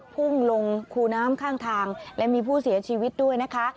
พุ่งลงคูน้ำข้างทางและมีผู้เสียชีวิตด้วยนะคะ